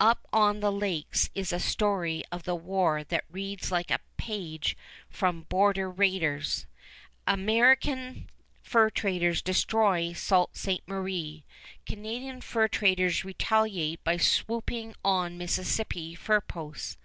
Up on the lakes is a story of the war that reads like a page from border raiders. American fur traders destroy Sault Ste. Marie. Canadian fur traders retaliate by swooping on Mississippi fur posts.